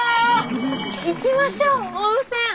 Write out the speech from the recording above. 行きましょう温泉！